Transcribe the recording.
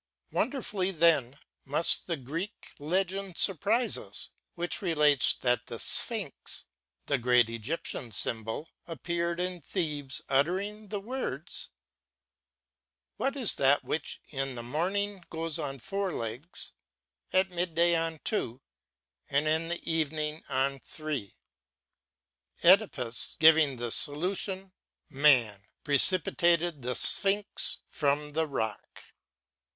Wonderfully, then, must the Greek legend surprise us, which relates that the Sphinx â the great Egyptian symbol â appeared in Thebes, uttering the words: * What is that which in the mom« iiig goes on four legs, at midday on two, and in the evening on three?* CEdipus, giving the solution Man, precipitated the Sphinx from the rock.